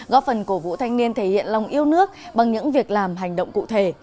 góp phần cổ vũ thanh niên thể hiện lòng yêu nước bằng những việc làm hành động cụ thể